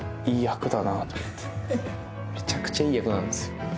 いい役だなと思ってめちゃくちゃいい役なんですよ